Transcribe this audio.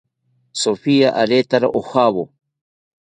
Sofia aretawo ojawo